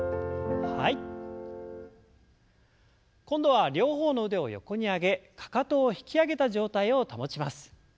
今度は両方の腕を横に上げかかとを引き上げた状態を保ちます。